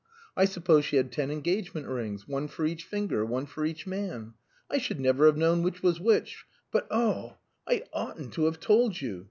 I suppose she had ten engagement rings one for each finger, one for each man. I should never have known which was which. But oh! I oughtn't to have told you.